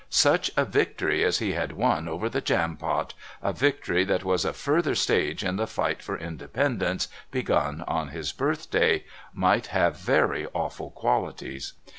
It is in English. Such a victory as he had won over the Jampot, a victory that was a further stage in the fight for independence begun on his birthday, might have very awful qualities.